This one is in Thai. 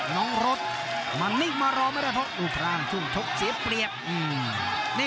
น้องโรสมานิ่งมาลองไม่ได้เพราะอุปฐานจุ่มชกเสียเปลี่ยน